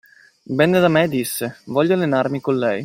Venne da me e disse: "Voglio allenarmi con lei".